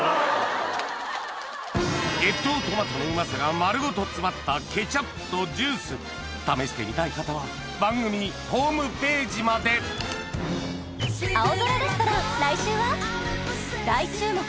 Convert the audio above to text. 越冬トマトのうまさが丸ごと詰まったケチャップとジュース試してみたい方は番組ホームページまで大注目